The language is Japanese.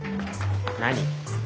何？